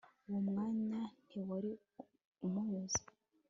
uwo mwanya ntiwari umunyuze